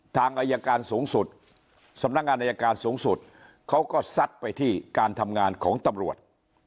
ทางอายการสูงสุดสำนักงานอายการสูงสุดเขาก็ซัดไปที่การทำงานของตำรวจ